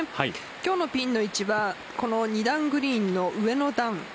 今日のピンの位置は２段グリーンの上の段。